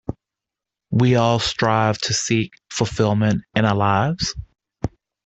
We all strive to seek fulfilment in our lives.